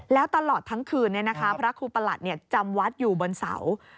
แล้วตลอดทั้งคืนพระครูประหลัดจำวัดอยู่บนเสา